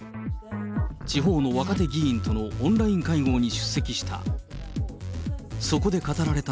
地方の若手議員とのオンライン会合に出席した。